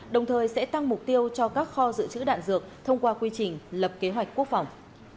đồng thời sẽ tăng mục tiêu cho các kho dự trữ đạn dược thông qua quy trình lập kế hoạch quốc phòng